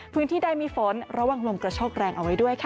พื้นที่ใดมีฝนระวังลมกระโชกแรงเอาไว้ด้วยค่ะ